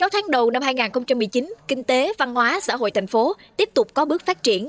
sáu tháng đầu năm hai nghìn một mươi chín kinh tế văn hóa xã hội thành phố tiếp tục có bước phát triển